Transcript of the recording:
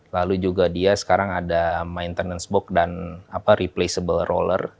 lalu juga dia sekarang ada maintenance box dan replaceable roller